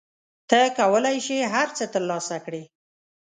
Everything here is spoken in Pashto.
ته کولای شې هر څه ترلاسه کړې.